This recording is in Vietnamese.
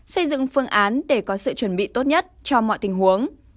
xây dựng phương án để có sự chuẩn bị tốt nhất cho mọi tình huống